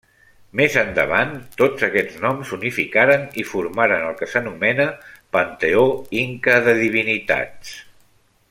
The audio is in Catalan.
Més endavant, tots aquests noms s'unificaren i formaren el que s'anomena panteó inca de divinitats.